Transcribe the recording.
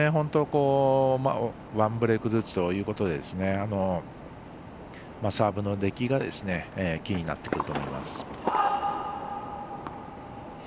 ワンブレークずつということでサーブの出来がキーになってくると思います。